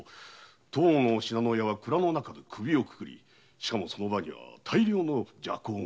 当の信濃屋は蔵の中で首をくくりしかもその場には大量の麝香が。